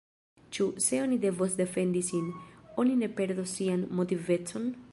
Ĉu, se oni devos defendi sin, oni ne perdos sian motivecon?